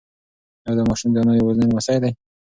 ایا دا ماشوم د انا یوازینی لمسی دی؟